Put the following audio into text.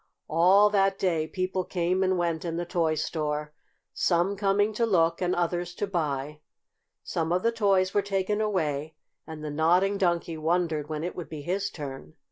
All that day people came and went in the toy store, some coming to look, and others to buy. Some of the toys were taken away, and the Nodding Donkey wondered when it would be his turn.